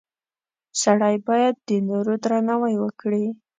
• سړی باید د نورو درناوی وکړي.